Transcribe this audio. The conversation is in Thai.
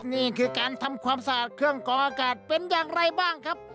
นี่คือการทำความสะอาดเครื่องกองอากาศเป็นอย่างไรบ้างครับ